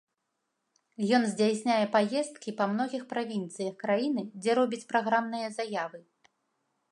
Ён здзяйсняе паездкі па многіх правінцыях краіны, дзе робіць праграмныя заявы.